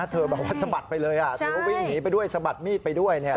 แบบว่าสะบัดไปเลยเธอก็วิ่งหนีไปด้วยสะบัดมีดไปด้วยเนี่ย